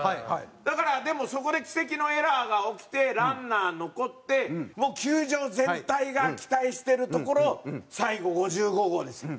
だからでもそこで奇跡のエラーが起きてランナー残ってもう球場全体が期待してるところ最後５５号ですよ。